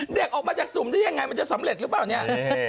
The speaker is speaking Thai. เด็กออกมาจากสุ่มได้ยังไงมันจะสำเร็จหรือเปล่าเนี่ย